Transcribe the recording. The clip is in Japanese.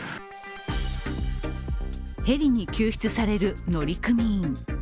ヘリに救出される乗組員。